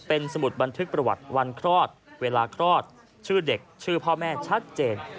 เป็นสมุดบันทึกประวัติวันคลอดเวลาคลอดชื่อเด็กชื่อพ่อแม่ชัดเจน